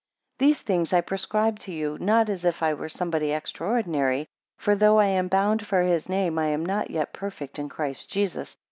10 These things I prescribe to you, not as if I were somebody extraordinary: for though I am bound for his name, I am not yet perfect in Christ Jesus.